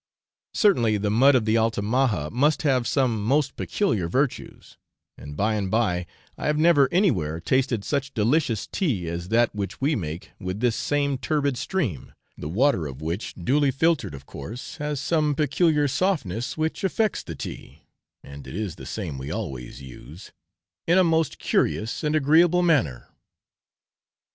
Certainly the mud of the Altamaha must have some most peculiar virtues; and, by the by, I have never anywhere tasted such delicious tea as that which we make with this same turbid stream, the water of which duly filtered, of course, has some peculiar softness which affects the tea (and it is the same we always use) in a most curious and agreeable manner.